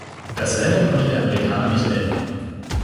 Das Rennen konnte der Amerikaner nicht beenden.